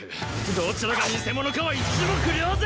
どちらがニセモノかは一目瞭然！